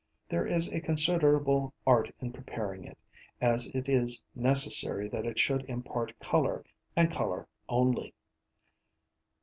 There is a considerable art in preparing it, as it is necessary that it should impart colour, and colour only.